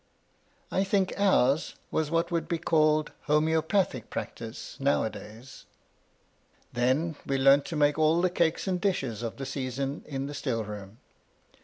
I think ours was what would be called homoeopathic practice now a days. Then we learnt to make all the cakes and dishes of the season in the still room.